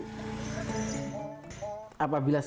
apabila kita membeli masker kita bisa membeli masker